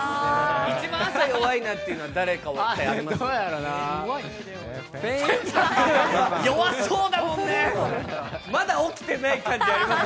一番朝弱いなっていうのは誰かいます？